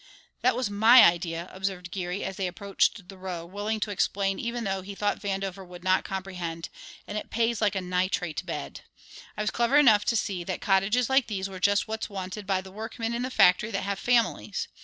"That was my idea," observed Geary, as they approached the row, willing to explain even though he thought Vandover would not comprehend, "and it pays like a nitrate bed. I was clever enough to see that cottages like these were just what's wanted by the workmen in the factory that have families.